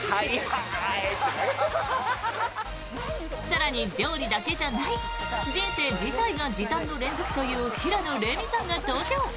更に、料理だけじゃない人生自体が時短の連続という平野レミさんが登場。